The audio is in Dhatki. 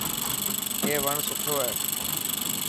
اي وڻ سٺو هي.